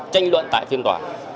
tranh luận tại phiên tòa